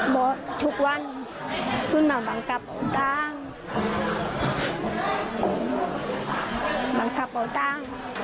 บอกทุกวันขึ้นมาบังคับเบาตาบังคับเบาตา